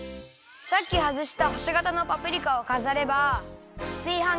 さっきはずしたほしがたのパプリカをかざればすいはん